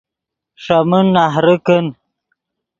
ݰے من نہرے کن